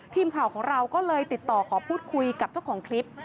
ทีมข่าวของเราก็เลยติดต่อขอพูดคุยกับเจ้าของคลิป